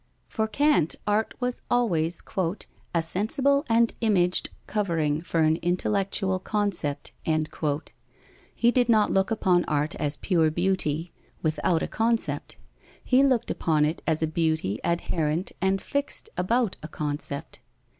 For Kant art was always "a sensible and imaged covering for an intellectual concept." He did not look upon art as pure beauty without a concept. He looked upon it as a beauty adherent and fixed about a concept.